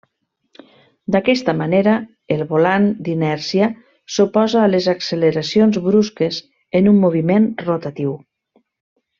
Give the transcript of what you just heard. D'aquesta manera el volant d'inèrcia s'oposa a les acceleracions brusques en un moviment rotatiu.